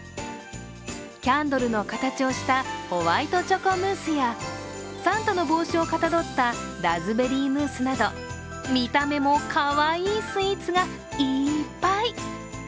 キャンドルの形をしたホワイトチョコムースや、サンタの帽子をかたどったラズベリームースなど見た目もかわいいスイーツがいっぱい。